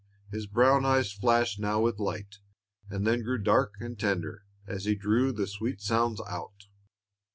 His brown eyes flashed now with light, and then grew dark and tender, as he drew the sweet sounds out.